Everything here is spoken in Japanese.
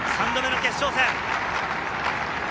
３度目の決勝戦。